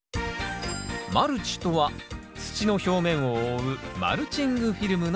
マルチとは土の表面を覆うマルチングフィルムのこと。